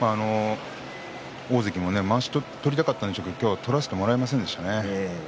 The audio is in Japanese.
大関も、まわしを取りたかったんでしょうけれど取らせてもらえませんでしたね。